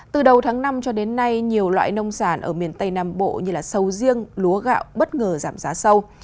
từ đầu tháng năm cho đến nay nhiều loại nông sản ở miền tây nam bộ như sầu riêng lúa gạo bất ngờ giảm giá sâu